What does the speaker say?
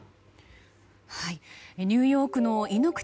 ニューヨークの猪ノ口